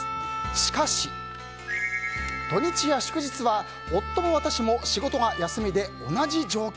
しかし、土日や祝日は夫も私も仕事が休みで同じ条件。